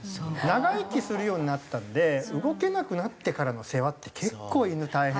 長生きするようになったので動けなくなってからの世話って結構犬大変ですよね。